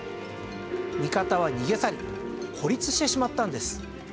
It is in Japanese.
味方は逃げ去り孤立してしまったんです。